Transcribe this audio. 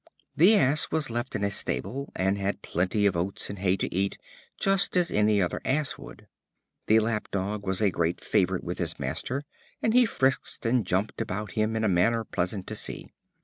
The Ass was left in a stable, and had plenty of oats and hay to eat, just as any other Ass would. The Lap dog was a great favorite with his master, and he frisked and jumped about him in a manner pleasant to see.